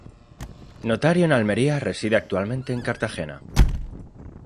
Notario en Almería, reside actualmente en Cartagena.